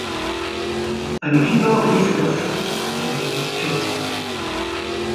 Avec Givors et Vyškov en République tchèque.